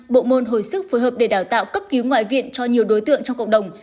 bộ môn hồi sức phối hợp để đào tạo cấp cứu ngoại viện cho nhiều đối tượng trong cộng đồng